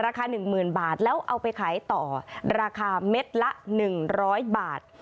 ๑๐๐๐บาทแล้วเอาไปขายต่อราคาเม็ดละ๑๐๐บาท